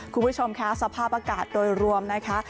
คุณผู้ชมค่ะสภาพอากาศโดยรวมนะคะ